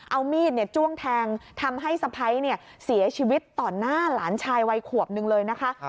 เอามีดจ้วงแทงทำให้สะพ้ายเสียชีวิตต่อหน้าหลานชายวัยขวบนึงเลยนะคะ